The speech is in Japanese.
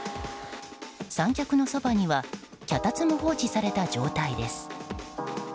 三脚のそばには脚立も放置された状態です。